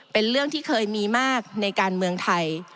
เป็นเรื่องที่เคยมีมากในการเมืองไทย